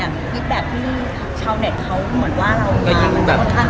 คลิปแบบที่ชาวเน็ตเขาเหมือนว่าเรามาค่อนข้าง